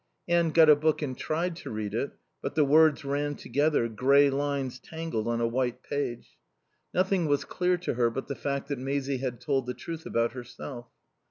Anne got a book and tried to read it; but the words ran together, grey lines tangled on a white page. Nothing was clear to her but the fact that Maisie had told the truth about herself.